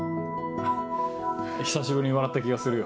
久しぶりに笑った気がするよ。